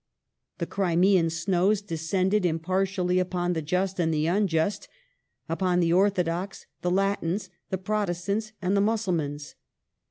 The Crimean snows descended impartially upon the just and the unjust, upon the Orthodox, the Latins, the Protes tants, and the Mussulmans.